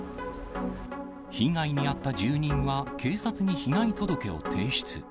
被害に遭った住人は警察に被害届を提出。